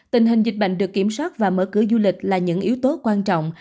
tình hình dịch bệnh được kiểm soát và mở cửa du lịch là những yếu tố quan trọng